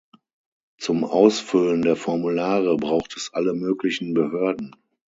Zum Ausfüllen der Formulare braucht es alle möglichen Behörden.